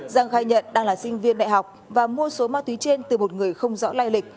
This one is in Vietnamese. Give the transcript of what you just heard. giang khai nhận đang là sinh viên đại học và mua số ma túy trên từ một người không rõ lai lịch